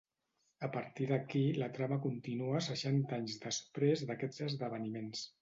A partir d'aquí la trama continua seixanta anys després d'aquests esdeveniments.